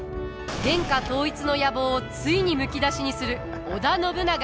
天下統一の野望をついにむき出しにする織田信長。